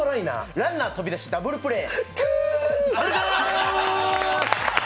ランナー飛び出しダブルプレー！